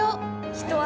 一足